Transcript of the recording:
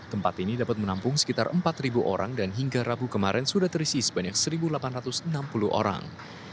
tempat ini dapat menampung sekitar empat orang dan hingga rabu kemarin sudah terisi sebanyak satu delapan ratus enam puluh orang